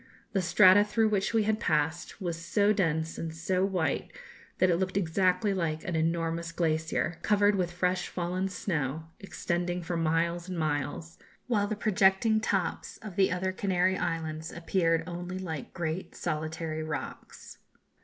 The strata through which we had passed was so dense and so white, that it looked exactly like an enormous glacier, covered with fresh fallen snow, extending for miles and miles; while the projecting tops of the other Canary Islands appeared only like great solitary rocks.